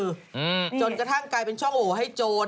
อืมจนกระทั่งกลายเป็นช่องโหให้โจร